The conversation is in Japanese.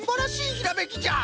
ひらめきじゃ。